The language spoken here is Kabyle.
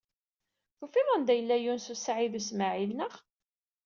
Tufiḍ-d anda yella Yunes u Saɛid u Smaɛil, naɣ?